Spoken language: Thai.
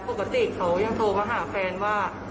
ปกติเขายังโทรมาหาแฟนว่า